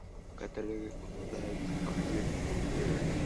Catalogue of the plants collected by Mr.